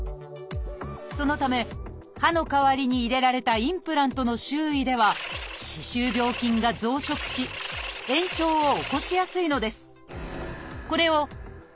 そのため歯の代わりに入れられたインプラントの周囲では歯周病菌が増殖し炎症を起こしやすいのです。